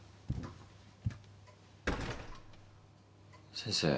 ・先生。